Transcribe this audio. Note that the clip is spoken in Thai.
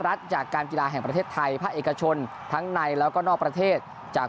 รัฐจากการกีฬาแห่งประเทศไทยภาคเอกชนทั้งในแล้วก็นอกประเทศจาก